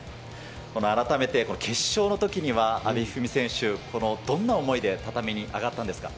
改めて決勝のときには阿部一二三選手、どんな思いで畳に上がったんですか。